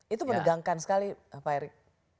itu menegangkan sekali pak erick